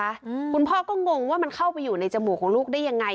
อืมคุณพ่อก็งงว่ามันเข้าไปอยู่ในจมูกของลูกได้ยังไง